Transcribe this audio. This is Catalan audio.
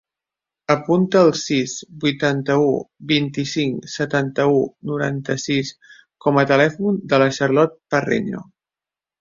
Apunta el sis, vuitanta-u, vint-i-cinc, setanta-u, noranta-sis com a telèfon de la Charlotte Parreño.